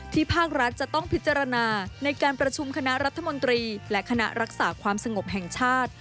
ภาครัฐจะต้องพิจารณาในการประชุมคณะรัฐมนตรีและคณะรักษาความสงบแห่งชาติ